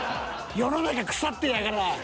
世の中腐ってやがらぁ！